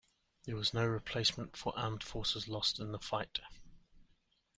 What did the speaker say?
There was no replacement for armed forces lost in the fight.